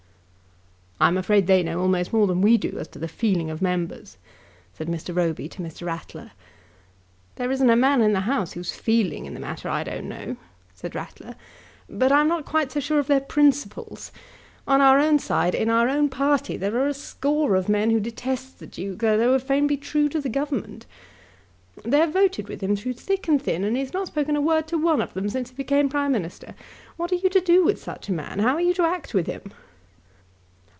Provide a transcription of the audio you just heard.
"I'm afraid they know almost more than we do as to the feeling of members," said Mr. Roby to Mr. Rattler. "There isn't a man in the House whose feeling in the matter I don't know," said Rattler, "but I'm not quite so sure of their principles. On our own side, in our old party, there are a score of men who detest the Duke, though they would fain be true to the Government. They have voted with him through thick and thin, and he has not spoken a word to one of them since he became Prime Minister. What are you to do with such a man? How are you to act with him?"